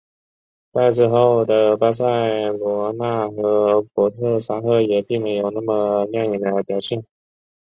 在之后的巴塞罗那和帕特沙赫也并没有什么亮眼的表现。